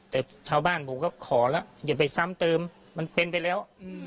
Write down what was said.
แต่ชาวบ้านผมก็ขอแล้วอย่าไปซ้ำเติมมันเป็นไปแล้ว